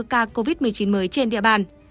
năm mươi bốn ca covid một mươi chín mới trên địa bàn